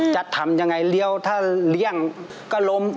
จะทำยังไงเลี้ยวถ้าเลี่ยงก็ล้ม